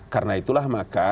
karena itulah maka